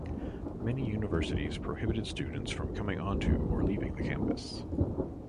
Many universities prohibited students from coming onto or leaving the campus.